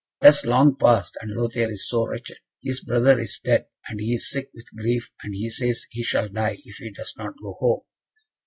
"That is long past, and Lothaire is so wretched. His brother is dead, and he is sick with grief, and he says he shall die, if he does not go home."